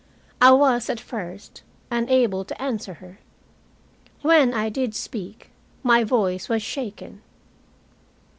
I was, at first, unable to answer her. When I did speak, my voice was shaken.